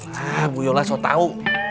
alah bu yola soal tau